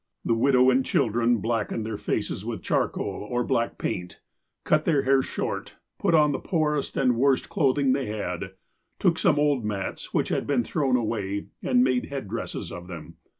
The widow and children blackened their faces with charcoal or black paint, cut their hair short, put on the poorest and worst clothing they had, took some old mats which had been thrown away, and made head dresses of them.